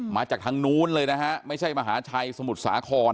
มาจากทางนู้นเลยนะฮะไม่ใช่มหาชัยสมุทรสาคร